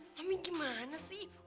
mami gimana sih